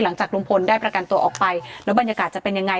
หลังจากลุงพลได้ประกันตัวออกไปแล้วบรรยากาศจะเป็นยังไง